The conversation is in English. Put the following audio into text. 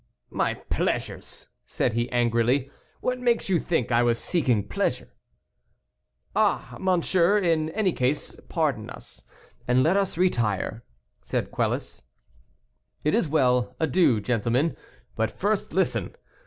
"My pleasures!" said he, angrily; "what makes you think I was seeking pleasure?" "Ah, monseigneur, in any case pardon us, and let us retire," said Quelus. "It is well; adieu, gentlemen; but first listen.